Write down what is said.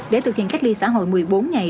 để thực hiện cách ly xã hội một mươi bốn ngày